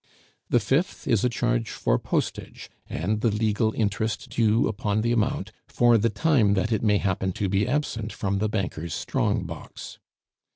The fifth is a charge for postage and the legal interest due upon the amount for the time that it may happen to be absent from the banker's strong box.